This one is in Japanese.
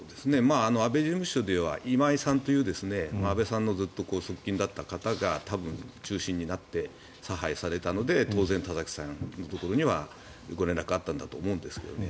安倍事務所では今井さんという安倍さんのずっと側近だった方が中心になって差配されたので当然、田崎さんのところにはご連絡があったと思うんですよね。